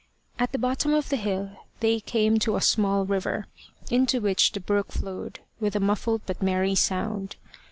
At the bottom of the hill they came to a small river, into which the brook flowed with a muffled but merry sound.